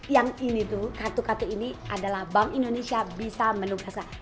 yang ini tuh kartu kartu ini adalah bank indonesia bisa menugaskan